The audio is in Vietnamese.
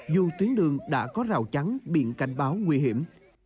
dù tuyến đường đã có rào chắn biển cảnh báo nguy hiểm